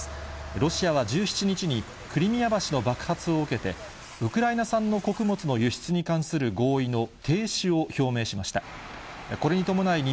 ロシアは１７日に、クリミア橋の爆発を受けて、ウクライナ産の穀物の輸出に関する合意の停止を表明しました。